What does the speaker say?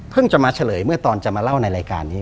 จะมาเฉลยเมื่อตอนจะมาเล่าในรายการนี้